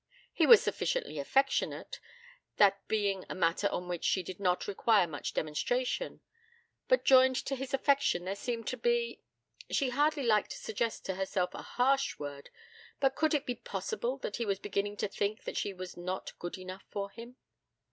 He was sufficiently affectionate, that being a matter on which she did not require much demonstration; but joined to his affection there seemed to be ; she hardly liked to suggest to herself a harsh word, but could it be possible that he was beginning to think that she was not good enough for him?